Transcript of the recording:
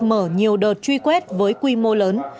mở nhiều đợt truy quét với quy mô lớn